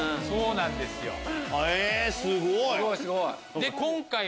そうなんですよ。